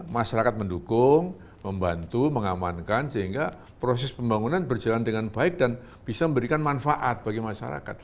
masyarakat mendukung membantu mengamankan sehingga proses pembangunan berjalan dengan baik dan bisa memberikan manfaat bagi masyarakat